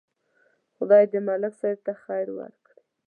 خدای دې ملک صاحب ته خیر ورکړي.